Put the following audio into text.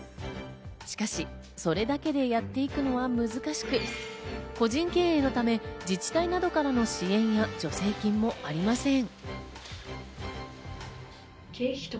しかし、それだけでやっていくのは難しく、個人経営のため自治体などからの支援や助成金もありません。